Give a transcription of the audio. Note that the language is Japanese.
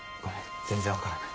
全然分からない。